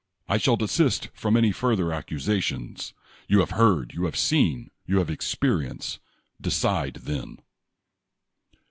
I shall desist from any further accusations. You have heard, you have seen, you have experienced. Decide then